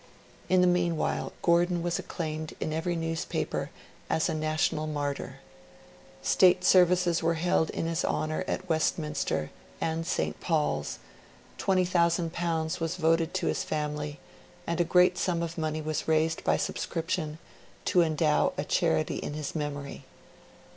In the meanwhile, Gordon was acclaimed in every newspaper as a national martyr; State services were held in his honour at Westminster and St Paul's; L20,000 was voted to his family; and a great sum of money was raised by subscription to endow a charity in his memory.